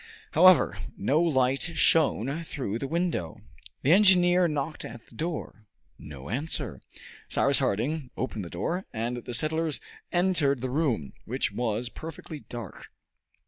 However, no light shone through the window. The engineer knocked at the door. No answer. Cyrus Harding opened the door, and the settlers entered the room, which was perfectly dark.